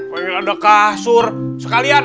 paling ada kasur sekalian